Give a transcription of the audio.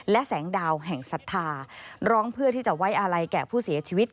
และแสงดาวแห่งศรัทธาร้องเพื่อที่จะไว้อาลัยแก่ผู้เสียชีวิต